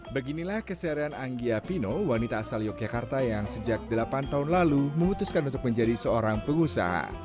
beginilah keseharian anggia pino wanita asal yogyakarta yang sejak delapan tahun lalu memutuskan untuk menjadi seorang pengusaha